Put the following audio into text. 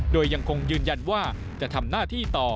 โดยยังคงยืนยันว่าจะทำหน้าที่ต่อ